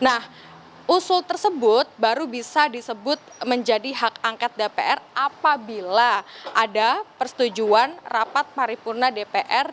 nah usul tersebut baru bisa disebut menjadi hak angket dpr apabila ada persetujuan rapat paripurna dpr